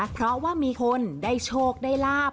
เพราะว่ามีคนได้โชคได้ลาบ